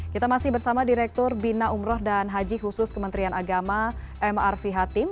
kita masih bersama direktur bina umroh dan haji khusus kementerian agama mr v hatim